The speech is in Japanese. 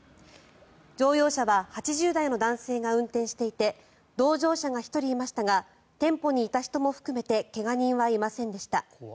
乗用車は８０代の男性が運転していて同乗者が１人いましたが店舗にいた人も含めて怪我人はいませんでした。